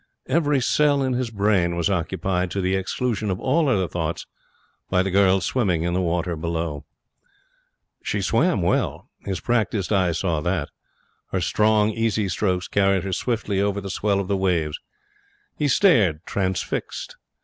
Every cell in his brain was occupied, to the exclusion of all other thoughts, by the girl swimming in the water below. She swam well. His practised eye saw that. Her strong, easy strokes carried her swiftly over the swell of the waves. He stared, transfixed.